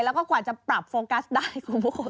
แล้วก็กว่าจะปรับโฟกัสได้คุณผู้ชม